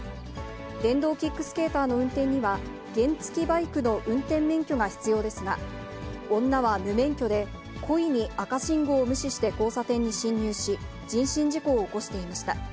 電動キックスケーターの運転には、原付きバイクの運転免許が必要ですが、女は無免許で、故意に赤信号を無視して交差点に進入し、人身事故を起こしていました。